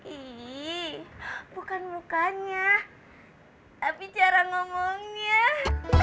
ih apaan sih